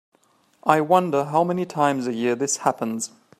I wonder how many times a year this happens.